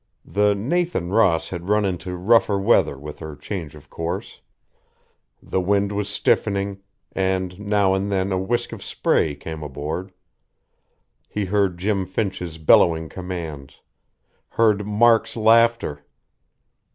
The Nathan Ross had run into rougher weather with her change of course; the wind was stiffening, and now and then a whisk of spray came aboard. He heard Jim Finch's bellowing commands.... Heard Mark's laughter.